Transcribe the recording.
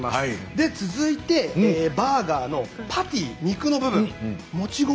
で続いてバーガーのパティー肉の部分。